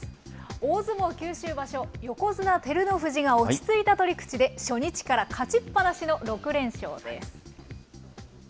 大相撲九州場所、横綱・照ノ富士が落ち着いた取り口で初日から勝ちっ放しの６連勝です。